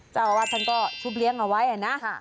เจ้าอาวาสท่านก็ชุบเลี้ยงเอาไว้นะ